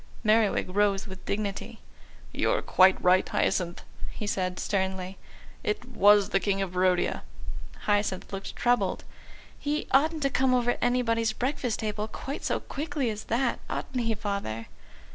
Merriwig rose with dignity. "You're quite right, Hyacinth," he said sternly; "it was the King of Barodia." Hyacinth looked troubled. "He oughtn't to come over anybody's breakfast table quite so quickly as that. Ought he, Father?"